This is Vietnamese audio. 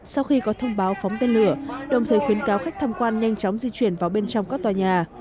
sau khi có thông báo phóng tên lửa đồng thời khuyến cáo khách tham quan nhanh chóng di chuyển vào bên trong các tòa nhà